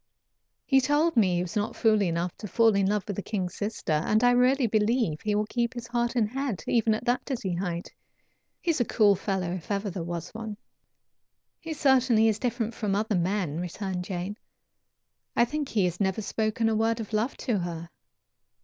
He told me he was not fool enough to fall in love with the king's sister, and I really believe he will keep his heart and head, even at that dizzy height. He is a cool fellow, if there ever was one." "He certainly is different from other men," returned Jane. "I think he has never spoken a word of love to her.